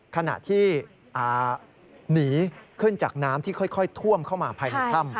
ขณะที่หนีขึ้นจากน้ำที่ค่อยท่วมเข้ามาภายในถ้ำ